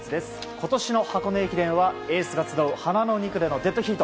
今年の箱根駅伝はエースが集う華の２区でのデッドヒート。